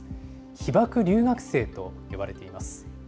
被爆留学生と呼ばれています。